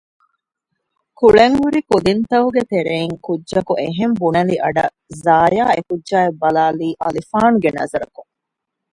ކުޅެން ހުރި ކުދިންތަކުގެ ތެރެއިން ކުއްޖަކު އެހެން ބުނެލި އަޑަށް ޒާޔާ އެކުއްޖާއަށް ބަލާލީ އަލިފާނުގެ ނަޒަރަކުން